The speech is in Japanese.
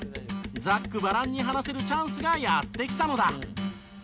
ざっくばらんに話せるチャンスがやってきたのだ。